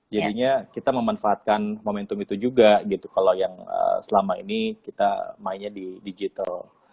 jadinya kita memanfaatkan momentum itu juga gitu kalau yang selama ini kita mainnya di digital